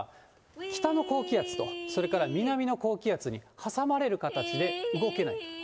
北の高気圧と、それから南の高気圧に挟まれる形で動けないと。